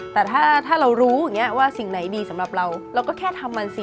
แต่ถ้าเรารู้อย่างนี้ว่าสิ่งไหนดีสำหรับเราเราก็แค่ทำมันสิ